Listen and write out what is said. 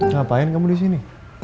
ngapain kamu disini